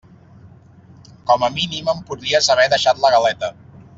Com a mínim em podries haver deixat la galeta.